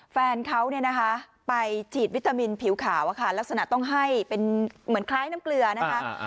แฟนเขาเนี่ยนะคะไปฉีดวิตามินผิวขาวลักษณะต้องให้เป็นเหมือนคล้ายน้ำเกลือนะคะ